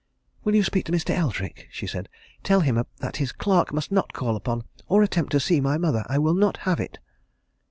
"Will you speak to Mr. Eldrick?" she said. "Tell him that his clerk must not call upon, or attempt to see, my mother. I will not have it!"